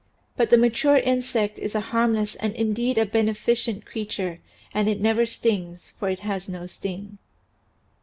But the mature insect is a harmless and indeed a beneficent creature and it never stings, for it has no sting.